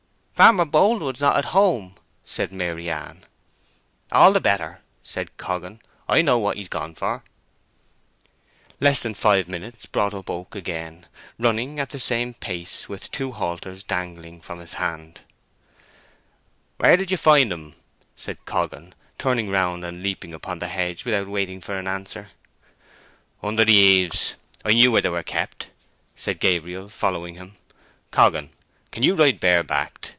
"Farmer Boldwood is not at home," said Maryann. "All the better," said Coggan. "I know what he's gone for." Less than five minutes brought up Oak again, running at the same pace, with two halters dangling from his hand. "Where did you find 'em?" said Coggan, turning round and leaping upon the hedge without waiting for an answer. "Under the eaves. I knew where they were kept," said Gabriel, following him. "Coggan, you can ride bare backed?